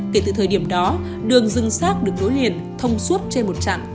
kể từ thời điểm đó đường dương sác được đối liền thông suốt trên một trạng